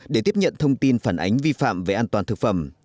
để tiếp nhận thông tin phản ánh vi phạm về an toàn thực phẩm